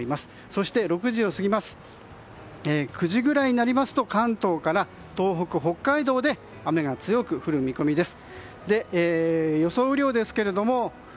そして９時ぐらいになりますと関東から東北、北海道で雨が強く降る見込みです。